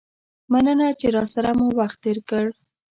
مننه چې راسره مو وخت تیر کړ.